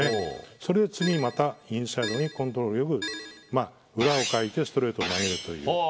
それで次にまたインサイドにコントロール良く、裏をかいてストレートへ投げるという。